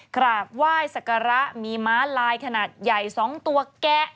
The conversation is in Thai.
กราบไหว้สักการะมีม้าลายขนาดใหญ่๒ตัวแกะ